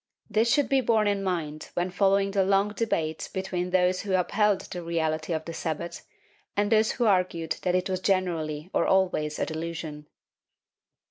This should be borne in mind when following the long debate between those who upheld the reality of the Sabbat and those who argued that it was generally or always a delusion.